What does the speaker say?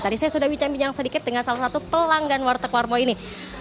tadi saya sudah bincang bincang sedikit dengan salah satu pelanggan warteg warmo ini